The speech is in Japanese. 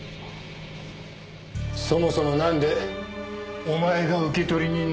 そもそもなんでお前が受取人なんだよ。